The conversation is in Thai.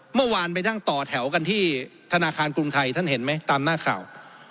เมื่อวานไปนั่งต่อแถวกันที่ธนาคารกรุงไทยท่านเห็นไหมตามหน้าข่าว